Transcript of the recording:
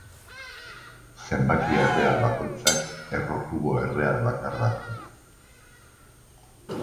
Zenbaki erreal bakoitzak erro kubo erreal bakar bat du.